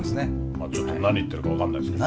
まあちょっと何言ってるか分かんないですけど。